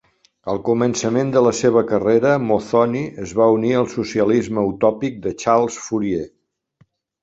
Al començament de la seva carrera, Mozzoni es va unir al socialisme utòpic de Charles Fourier.